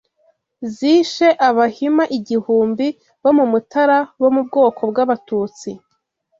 zishe Abahima igihumbi bo mu Mutara bo mu bwoko bw’Abatutsi